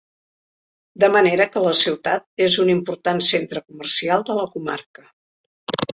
De manera que la ciutat és un important centre comercial de la comarca.